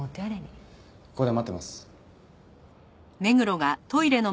ここで待ってます。